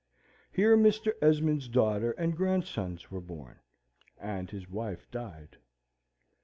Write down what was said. Here Mr. Esmond's daughter and grandsons were born, and his wife died.